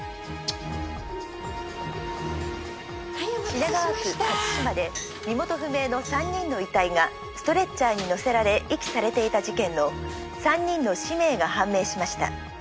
「品川区勝島で身元不明の３人の遺体がストレッチャーに乗せられ遺棄されていた事件の３人の氏名が判明しました」